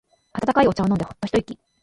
温かいお茶を飲んでホッと一息。